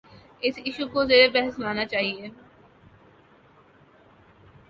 اس issue کو زیربحث لانا چاہیے۔